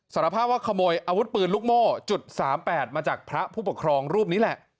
สารภาพว่าขโมยอาวุธปืนลูกโม่จุด๓๘มาจากพระผู้ปกครองรูปนี้แหละ